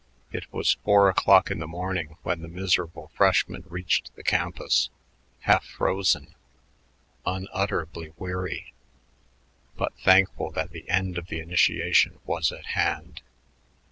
It was four o'clock in the morning when the miserable freshmen reached the campus, half frozen, unutterably weary, but thankful that the end of the initiation was at hand.